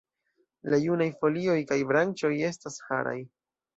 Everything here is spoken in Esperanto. La junaj folioj kaj branĉoj estas haraj.